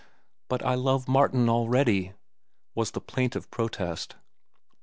"But I love Martin already," was the plaintive protest.